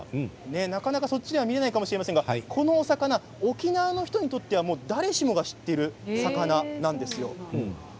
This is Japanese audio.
そちらでは見られないかもしれませんが沖縄の人にとっては誰しもが知っている魚なんですよ。